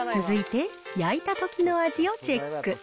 続いて焼いたときの味をチェック。